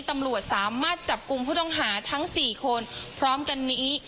ตำรวจสามารถจับกลุ่มผู้ต้องหาทั้ง๔คนพร้อมกันนี้